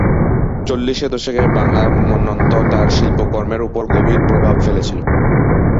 চল্লিশের দশকে বাংলার মন্বন্তর তার শিল্পকর্মের উপর গভীর প্রভাব ফেলেছিল।